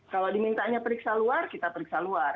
kalau dimintanya periksa luar kita periksa luar